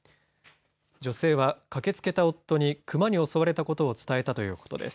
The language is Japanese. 女性は駆けつけた夫にクマに襲われたことを伝えたということです。